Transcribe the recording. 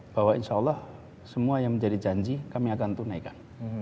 bahwa insya allah semua yang menjadi janji kami akan tunaikan